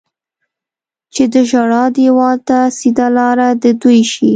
چې د ژړا دېوال ته سیده لاره د دوی شي.